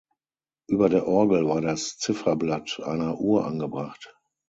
Über der Orgel war das Zifferblatt einer Uhr angebracht.